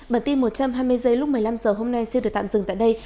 bản tin một trăm hai mươi giây lúc một mươi năm h hôm nay xin được tạm dừng tại đây